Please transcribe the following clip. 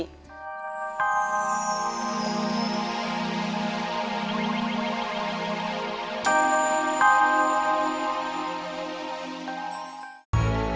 sampai akhir hayat